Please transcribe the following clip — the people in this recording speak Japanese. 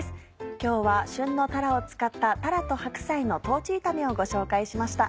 今日は旬のたらを使った「たらと白菜の豆炒め」をご紹介しました。